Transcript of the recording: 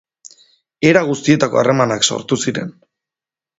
Era guztietako harremanak sortu ziren.